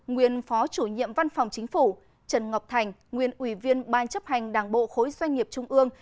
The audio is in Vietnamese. nguyên phó chủ nhiệm văn phòng chính phủ trần ngọc thành nguyên ủy viên ban chấp hành đảng bộ khối doanh nghiệp trung ương